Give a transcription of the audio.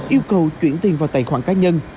yêu cầu chuyển tiền vào tài khoản cá nhân